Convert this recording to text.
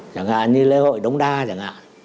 chẳng hạn như lễ hội đống đa chẳng hạn